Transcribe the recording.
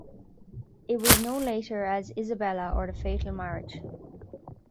It was known later as "Isabella, or The Fatal Marriage".